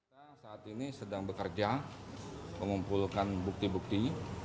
kita saat ini sedang bekerja mengumpulkan bukti bukti